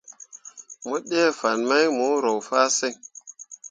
Mo ɗee fan mai mu roo fah siŋ.